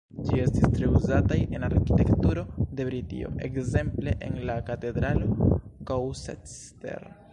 Ĝi estis tre uzataj en arkitekturo de Britio, ekzemple en la Katedralo Gloucester.